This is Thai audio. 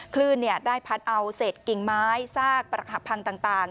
คลื่นได้พัดเอาเศษกิ่งไม้ซากปรักหักพังต่าง